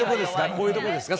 こういうとこですか？